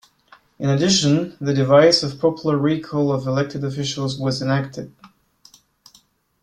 In addition, the device of popular recall of elected officials was enacted.